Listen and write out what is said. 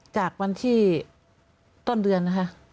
จากวันที่ต้นเดือนนะคะ